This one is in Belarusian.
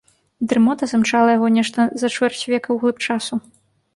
Дрымота замчала яго нешта за чвэрць века ў глыб часу.